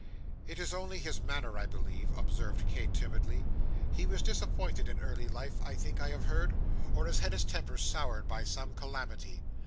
'It is only his manner, I believe,' observed Kate, timidly; 'he was disappointed in early life, I think I have heard, or has had his temper soured by some calamity.